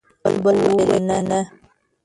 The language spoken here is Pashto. بل وویل: نه!